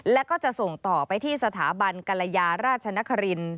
แล้วก็จะส่งต่อไปที่สถาบันกรยาราชนคริน